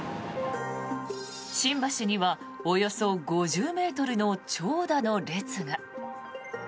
新橋にはおよそ５０ｍの長蛇の列が。